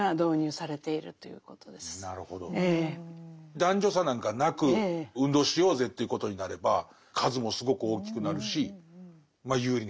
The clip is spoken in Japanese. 男女差なんかなく運動しようぜということになれば数もすごく大きくなるし有利に働くことが多いと。